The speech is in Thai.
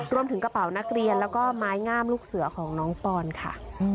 รวมถึงกระเป๋านักเรียนแล้วก็ไม้งามลูกเสือของน้องปอนค่ะ